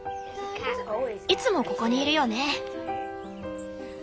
いつもここにいるよね。